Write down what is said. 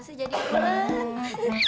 nasi jadi enak